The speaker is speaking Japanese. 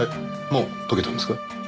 もう解けたんですか？